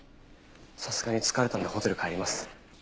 さすがに疲れたのでホテル帰ります。